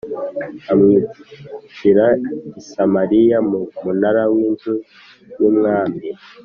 amwicira i Samariya mu munara w inzu y umwami